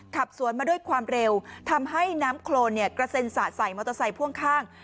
ขับสวนมาด้วยความเร็วทำให้น้ำโครนกระเซ็นสะใส่มอเตอร์ไซค์พ่วงข้าง